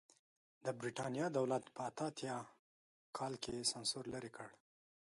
د برېټانیا دولت په اته اتیا کال کې سانسور لرې کړ.